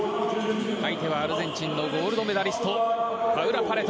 相手はアルゼンチンのゴールドメダリストパウラ・パレト。